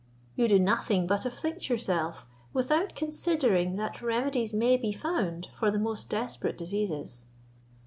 You do nothing but afflict yourself, without considering that remedies may be found for the most desperate diseases."